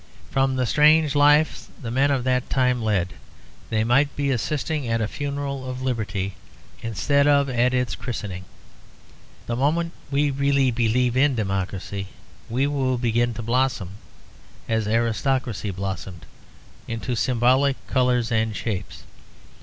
From the strange life the men of that time led, they might be assisting at the funeral of liberty instead of at its christening. The moment we really believe in democracy, it will begin to blossom, as aristocracy blossomed, into symbolic colours and shapes.